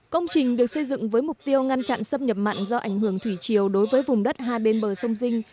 công trình được xây dựng với mục tiêu ngăn chặn xâm nhập mặn do ảnh hưởng thủy chiều đối với vùng đất hai bên bờ sông dinh